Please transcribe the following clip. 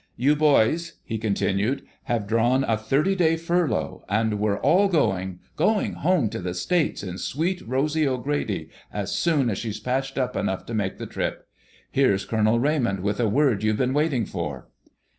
"You boys," he continued, "have drawn a thirty day furlough, and we're all going—going home to the States in Sweet Rosy O'Grady, as soon as she's patched up enough to make the trip. Here's Colonel Raymond with a word you've been waiting for."